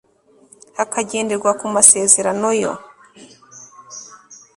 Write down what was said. hakagenderwa ku masezerano yo